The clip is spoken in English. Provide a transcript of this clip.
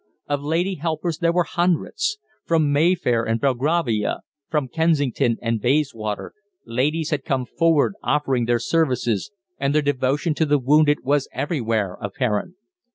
Of lady helpers there were hundreds. From Mayfair and Belgravia, from Kensington and Bayswater, ladies had come forward offering their services, and their devotion to the wounded was everywhere apparent.